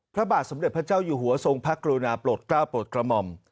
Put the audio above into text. พระบาทสมเด็จพระเจ้าอยู่หัวทรงพระกรุณาโปรดกล้าวโปรดกระหม่อม